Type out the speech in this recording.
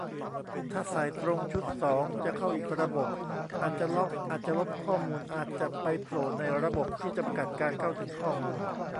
ถ้าใส่ตรงชุดสอง จะเข้าอีกระบบ อาจจะล็อก อาจจะลบข้อมูล อาจจะไปโผล่ในระบบที่จำกัดการเข้าถึงข้อมูล